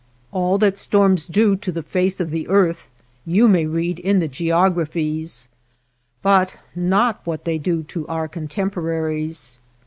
All that storms do to the face of the earth you may read in the geographies, but not what they do to our contemporaries.